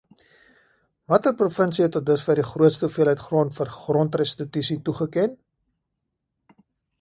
Watter provinsie het tot dusver die grootste hoeveelheid grond vir grondrestitusie toegeken?